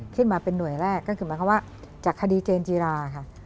ขึ้นมาเป็นหน่วยแรกก็คือหมายความว่าจากคดีเจนจีราค่ะ